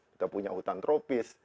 kita punya hutan tropis